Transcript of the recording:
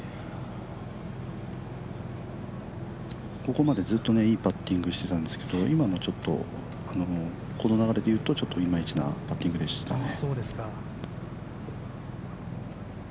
ここまでずっといいパッティングしてたんですけど、今の、ちょっと、この流れでいうと、イマイチなパッティングでしたね。